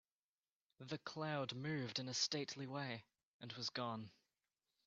The cloud moved in a stately way and was gone.